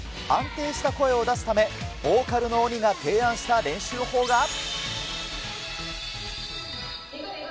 安定した声を出すため、ボーカルの鬼が提案した練習法が。